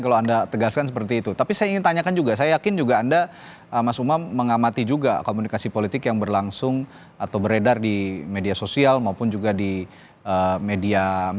kalau anda tegaskan seperti itu tapi saya ingin tanyakan juga saya yakin juga anda mas umam mengamati juga komunikasi politik yang terjadi di indonesia dengan pengurusan ekonomi dan ekonomi dan kemudian untuk orang lain juga menjelaskan politik yang terjadi di indonesia